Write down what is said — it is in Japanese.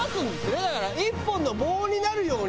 だから１本の棒になるように。